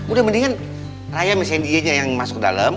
udah mendingan raya mesen ienya yang masuk dalam